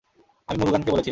আমি মুরুগানকে বলেছিলাম।